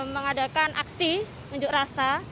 mengadakan aksi menuju rasa